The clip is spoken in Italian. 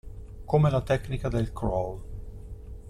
Come la tecnica del crawl.